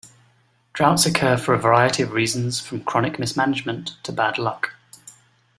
Droughts occur for a variety of reasons, from chronic mismanagement to bad luck.